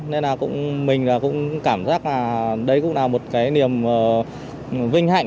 nên là mình cũng cảm giác là đấy cũng là một cái niềm vinh hạnh